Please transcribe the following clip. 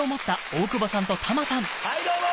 はいどうも！